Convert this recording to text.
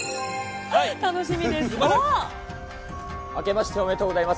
楽しみです。